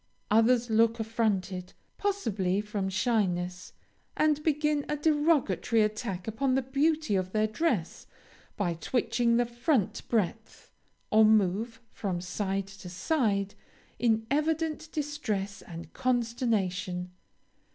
Others look affronted, possibly from shyness, and begin a derogatory attack upon the beauty of their dress by twitching the front breadth or move from side to side, in evident distress and consternation.